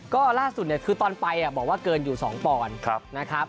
ก็ล่าสุดเนี่ยคือตอนไปบอกว่าเกินอยู่๒ปอนด์นะครับ